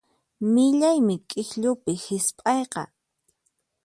Millaymi k'ikllupi hisp'ayqa.